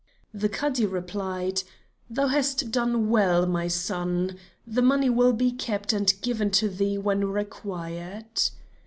The Cadi replied: "Thou hast done well, my son; the money will be kept and given to thee when required."